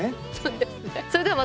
そうですね。